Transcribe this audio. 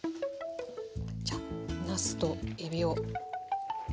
じゃあなすとえびを。